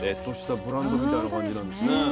ちょっとしたブランドみたいな感じなんですね。